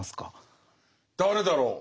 誰だろう。